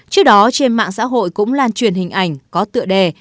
trước đó trên mạng xã hội cũng lan truyền hình ảnh có tựa đề